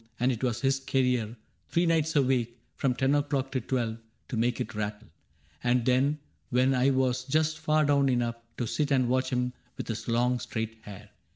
And it was his career — three nights a week. From ten o*clock till twelve — to make it rattle; And then, when I was just far down enough To sit and watch him with his long straight hair.